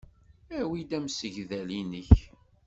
Awi-d amsegdal-nnek.